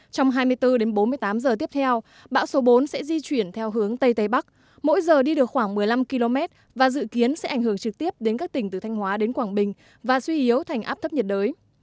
trong hai mươi bốn đến bốn mươi tám giờ tiếp theo bão số bốn sẽ di chuyển theo hướng tây tây bắc mỗi giờ đi được khoảng một mươi năm km và dự kiến sẽ ảnh hưởng trực tiếp đến các tỉnh từ thanh hóa đến quảng bình và suy yếu thành áp thấp nhiệt đới